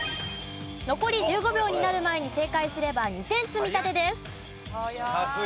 残り１５秒になる前に正解すれば２点積み立てです。